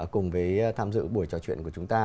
cùng với tham dự buổi trò chuyện của chúng ta